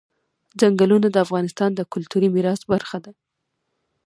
ځنګلونه د افغانستان د کلتوري میراث برخه ده.